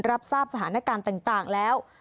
รับทราบสถานการณ์ต่างแล้ว